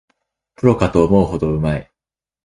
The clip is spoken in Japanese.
プロかと思うほどうまい